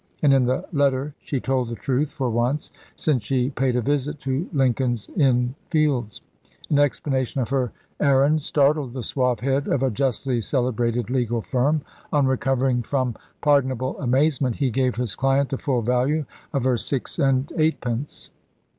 And in the letter she told the truth for once, since she paid a visit to Lincoln's Inn Fields. An explanation of her errand startled the suave head of a justly celebrated legal firm. On recovering from pardonable amazement he gave his client the full value of her six and eightpence.